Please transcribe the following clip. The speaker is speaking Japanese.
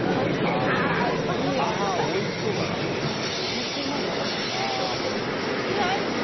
餅、うまいでしょ。